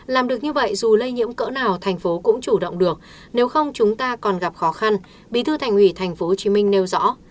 làm được như vậy dù lây nhiễm cỡ nào thành phố cũng chủ động được nếu không chúng ta còn gặp khó khăn bí thư thành ủy tp hcm nêu rõ